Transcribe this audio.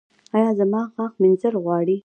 ایا زما غاښ مینځل غواړي؟